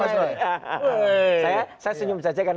saya senyum saja karena saya bukan tim hukum yang menjalankan ini